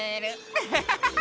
アハハハハ！